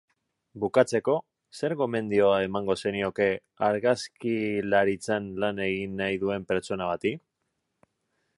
Bukatzeko, zer gomendio emango zenioke argazkilaritzan lan egin nahi duen pertsona bati?